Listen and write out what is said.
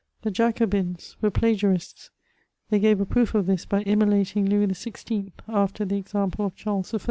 The Jacobins were plagiarists; they gave a proof of this by immolating Louis X VL after the example of Charles I.